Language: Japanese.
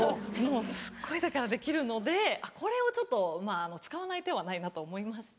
すっごいだからできるのでこれをちょっと使わないてはないなと思いまして。